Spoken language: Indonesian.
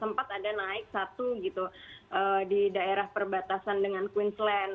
sempat ada naik satu gitu di daerah perbatasan dengan queensland